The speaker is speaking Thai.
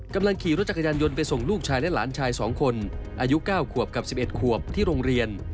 กำลังขี่รถจักรยานยนต์ไปส่งลูกชายและหลานชาย๒คนอายุ๙ขวบกับ๑๑ขวบที่โรงเรียน